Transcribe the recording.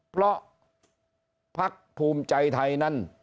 เพราะพักภูมิใจไทยนั้น